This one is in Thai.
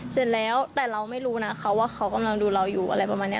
เสร็จแล้วแต่เราไม่รู้นะเขาว่าเขากำลังดูเราอยู่อะไรประมาณนี้